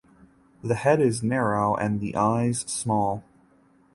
The head is narrow and the eyes small.